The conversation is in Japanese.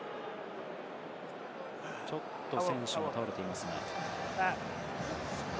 ちょっと選手が倒れていますね。